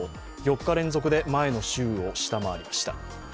４日連続で前の週を下回りました。